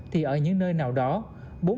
thì ở những nơi nào đó